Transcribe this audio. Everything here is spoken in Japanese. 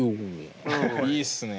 いいっすね。